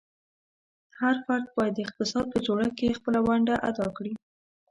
هر فرد باید د اقتصاد په جوړښت کې خپله ونډه ادا کړي.